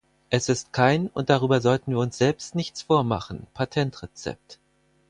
Es ist kein und darüber sollten wir uns selbst nichts vormachen Patentrezept.